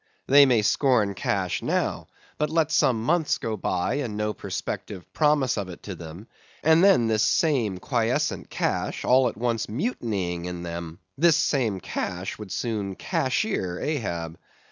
They may scorn cash now; but let some months go by, and no perspective promise of it to them, and then this same quiescent cash all at once mutinying in them, this same cash would soon cashier Ahab.